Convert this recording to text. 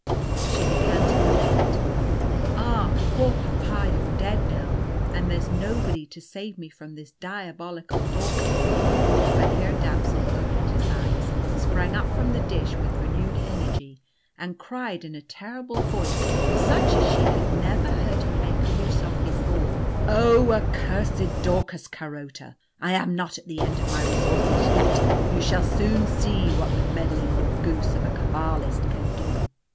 She began to lament: "Ah, poor papa you're dead now, and there's nobody to save me from this diabolical Daucus!" But Herr Dapsul opened his eyes, sprang up from the dish with renewed energy, and cried in a terrible voice, such as she had never heard him make use of before, "Ah accursed Daucus Carota, I am not at the end of my resources yet. You shall soon see what the meddling old goose of a Cabalist can do."